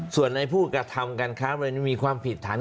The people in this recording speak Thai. ส่วนในผู้กระทำการค้ามันจะมีความผิดฐาน